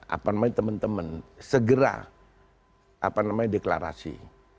apa namanya teman teman segera apa namanya deklarasi